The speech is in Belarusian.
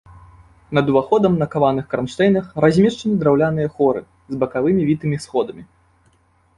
Над уваходам на каваных кранштэйнах размешчаны драўляныя хоры з бакавымі вітымі сходамі.